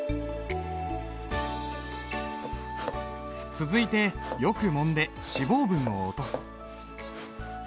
続いてよく揉んで脂肪分を落とす。